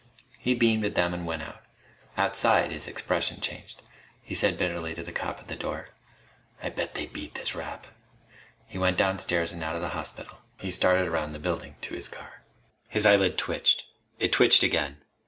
He beamed at them and went out. Outside, his expression changed. He said bitterly to the cop at the door: "I bet they beat this rap!" He went downstairs and out of the hospital. He started around the building to his car. His eyelid twitched. It twitched again.